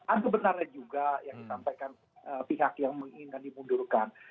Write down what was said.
ada benarnya juga yang disampaikan pihak yang menginginkan dimundurkan